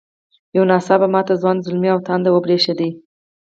یو نا څاپه ماته ځوان زلمي او تاند وبرېښدې.